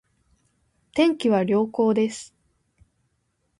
天気は良好です